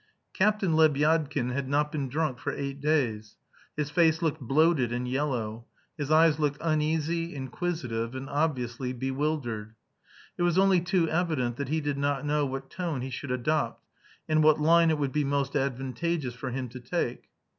Captain Lebyadkin had not been drunk for eight days. His face looked bloated and yellow. His eyes looked uneasy, inquisitive, and obviously bewildered. It was only too evident that he did not know what tone he could adopt, and what line it would be most advantageous for him to take.